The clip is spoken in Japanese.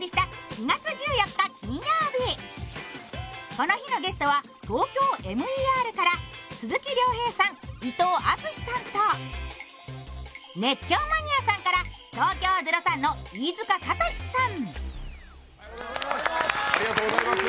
この日のゲストは「ＴＯＫＹＯＭＥＲ」から鈴木亮平さん、伊藤淳史さんと「熱狂マニアさん！」から東京０３の飯塚悟志さん。